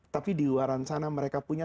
tapi di luar sana mereka punya